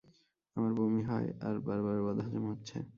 আমার বমি হয় আর বারবার বদহজম হচ্ছে।